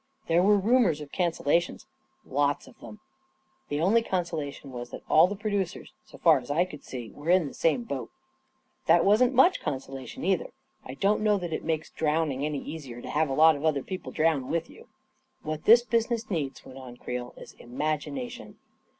There were rumors of cancellations — lots of them. The only consola tion was that all the producers, so far as I could see,, were in the same boat. That wasn't much consola tion, either; I don't know that it makes drowning \\ i •I A KING IN BABYLON 7 any easier to have a lot of other people drown with you. " What this business needs," went on Creel, " is imagination.'